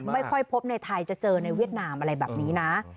ไม่ค่อยพบในไทยจะเจอในเวียดนามอะไรแบบนี้นะ